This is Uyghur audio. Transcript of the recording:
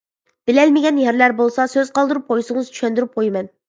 بىلەلمىگەن يەرلەر بولسا سۆز قالدۇرۇپ قويسىڭىز چۈشەندۈرۈپ قويىمەن.